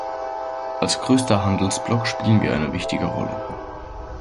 Als größter Handelsblock spielen wir eine wichtige Rolle.